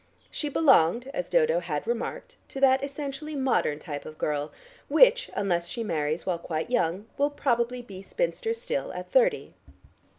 She belonged, as Dodo had remarked, to that essentially modern type of girl, which, unless she marries while quite young, will probably be spinster still at thirty.